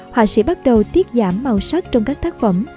họa sĩ bắt đầu tiết giảm màu sắc trong các tác phẩm